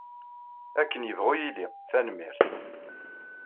Akken yebɣu yili, tanemmirt.